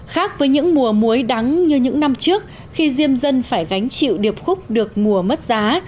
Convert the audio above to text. khác với những mùa muối đắng như những năm trước khi diêm dân phải gánh chịu điệp khúc được mùa mất giá